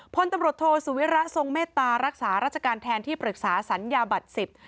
พลตำรวจโทสุวิระทรงเมตตารักษาราชการแทนที่ปรึกษาสัญญาบัตรสิบ